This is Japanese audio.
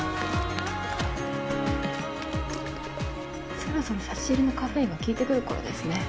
そろそろ差し入れのカフェインが効いて来る頃ですね。